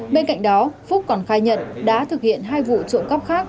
bên cạnh đó phúc còn khai nhận đã thực hiện hai vụ trộm cắp khác